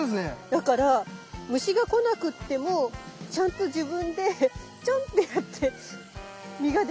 だから虫が来なくってもちゃんと自分でチョンってやって実ができちゃうんだね。